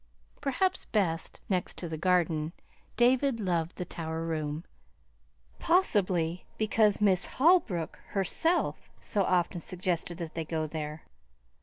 Perhaps best, next to the garden, David loved the tower room; possibly because Miss Holbrook herself so often suggested that they go there.